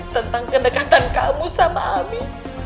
tentang kedekatan kamu sama ami